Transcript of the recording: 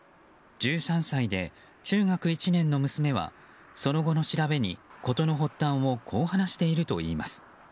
１３歳で中学１年の娘はその後の調べに、事の発端をこう話しているといいます。